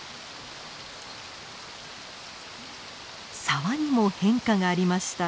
沢にも変化がありました。